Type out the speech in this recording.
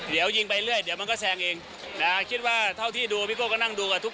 เดี๋ยวยิงไปเรื่อยเดี๋ยวมันก็แซงเองนะฮะคิดว่าเท่าที่ดูพี่โก้ก็นั่งดูกับทุก